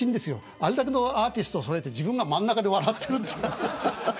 あれだけのアーティストをそろえて自分が真ん中で笑ってる。